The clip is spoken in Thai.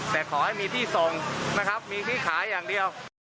แต่ขอให้มีที่ส่งนะครับมีที่ขายอย่างเดียว